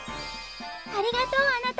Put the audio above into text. ありがとうあなた。